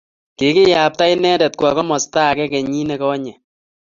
kikiyapta inendet kowo komasta age kenyin nekonye